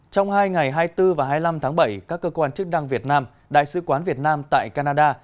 trong hai ngày hai mươi bốn và hai mươi năm tháng bảy các cơ quan chức năng việt nam đại sứ quán việt nam tại canada